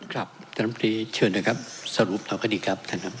ครับท่านท่านพลีเชิญนะครับสรุปต่อกันดีครับท่านท่านครับ